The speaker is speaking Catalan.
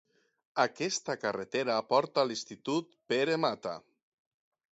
Aquesta carretera porta a l'Institut Pere Mata.